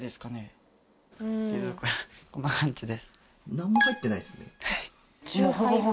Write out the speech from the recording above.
何も入ってないっすね。